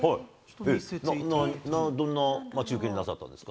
どんな待ち受けになさったんですか。